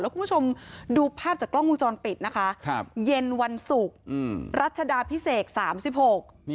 แล้วคุณผู้ชมดูภาพจากกล้องมูลจรปิดแจนวันศุกร์รัชดาพิเศก๓๖